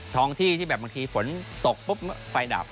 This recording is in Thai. ท้องที่ที่แบบบางทีฝนตกปุ๊บไฟดับ